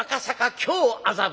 今日麻布